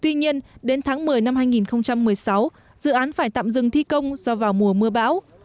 tuy nhiên đến tháng một mươi năm hai nghìn một mươi sáu dự án phải tạm dừng thi công do vào mùa mưa bão